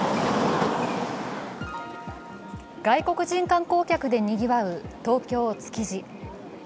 外国人観光客でにぎわう東京・築地。